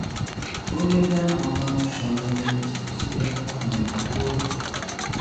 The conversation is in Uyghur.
بۇ گەپلەرنى ئاڭلاپ، خۇشاللىقى ئىچ - ئىچىگە پاتماي قاپتۇ.